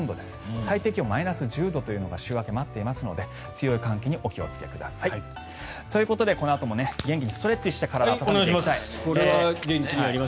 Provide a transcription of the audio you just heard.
最低気温マイナス１０度というのが週明けに待っていますので強い寒気にお気をつけください。ということでこのあと元気にストレッチをして体を温めていきたいと思います。